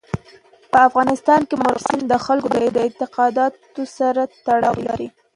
په افغانستان کې مورغاب سیند د خلکو د اعتقاداتو سره تړاو لري.